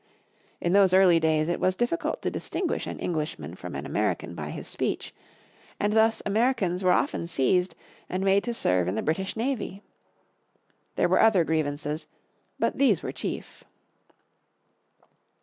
In those early days it was difficult to distinguish an Englishmen from an American by his speech, and thus Americans were often seized and made to serve in the British navy. There were other grievances, but these were chief.